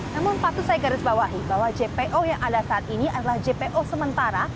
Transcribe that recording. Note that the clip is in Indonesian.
namun patut saya garis bawahi bahwa jpo yang ada saat ini adalah jpo sementara